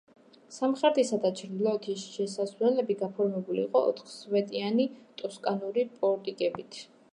სამხრეთისა და ჩრდილოეთის შესასვლელები გაფორმებული იყო ოთხსვეტიანი ტოსკანური პორტიკებით.